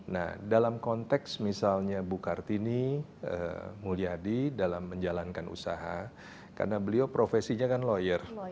nah dalam konteks misalnya bu kartini mulyadi dalam menjalankan usaha karena beliau profesinya kan lawyer